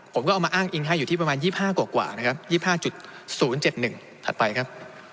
ผมก็เอามาอ้างอิงให้อยู่ที่ประมาณ๒๕กว่านะครับ๒๕๐๗๑ถัดไปครับ